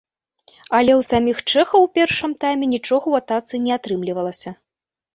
Але ў саміх чэхаў у першым тайме нічога ў атацы не атрымлівалася.